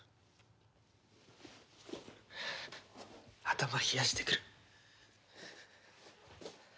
頭冷やしてくる。